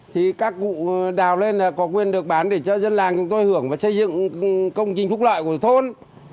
thì các cụ đào lên là có quyền được bán để cho dân làng chúng tôi hưởng và xây dựng công trình phúc lợi của thôn